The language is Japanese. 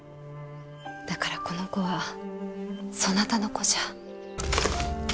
だからこの子はそなたの子じゃ。